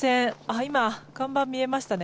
今、看板が見えましたね。